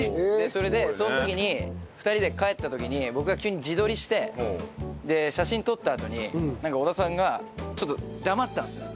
それでその時に２人で帰った時に僕が急に自撮りして写真撮ったあとになんか織田さんがちょっと黙ったんですね。